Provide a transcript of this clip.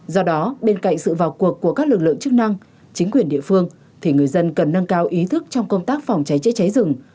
do đó bên cạnh sự vào cuộc của các lực lượng chức năng chính quyền địa phương thì người dân cần nâng cao ý thức trong công tác phòng cháy chữa cháy rừng